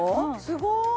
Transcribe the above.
すごーい